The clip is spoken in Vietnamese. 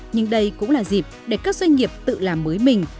nhưng đây cũng là dịp để các doanh nghiệp tự làm mới mình